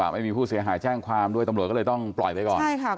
เอาไปอยู่อีกที่หนึ่งดีกว่านะครับถ้าอยู่กับคนมั่วมาก